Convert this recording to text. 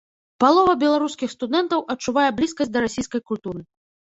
Палова беларускіх студэнтаў адчувае блізкасць да расійскай культуры.